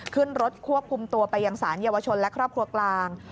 ขึ้นรถควบคุมตัวไปยังสารเยาวชนและครอบครัวกลาง